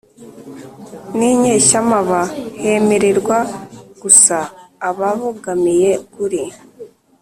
n'inyeshyamaba, hemererwa gusa ababogamiye kuri